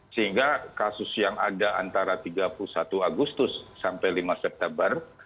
sehingga kasus yang ada antara tiga puluh satu agustus sampai lima september